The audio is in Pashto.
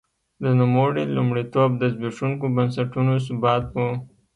د نوموړي لومړیتوب د زبېښونکو بنسټونو ثبات و.